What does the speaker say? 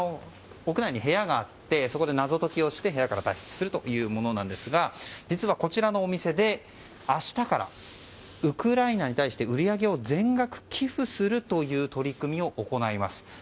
屋内に部屋があってそこで謎解きをして部屋から脱出するというものなんですが実はこちらのお店で明日からウクライナに対して売り上げを全額寄付するという取り組みを行います。